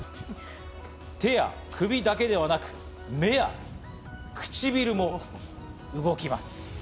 手や首だけではなく、目や唇も動きます。